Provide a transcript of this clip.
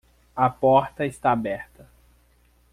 A porta está aberta